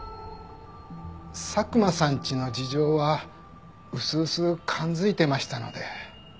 佐久間さんちの事情はうすうす感づいてましたので。